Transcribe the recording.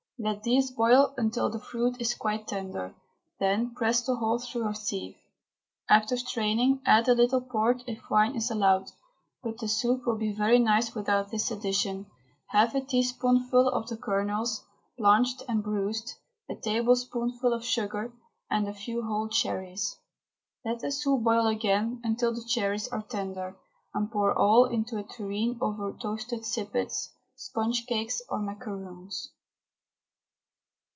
Let these boil until the fruit is quite tender, then press the whole through a sieve. After straining, add a little port, if wine is allowed but the soup will be very nice without this addition half a teaspoonful of the kernels, blanched and bruised, a tablespoonful of sugar, and a few whole cherries. Let the soup boil again until the cherries are tender, and pour all into a tureen over toasted sippets, sponge cakes, or macaroons.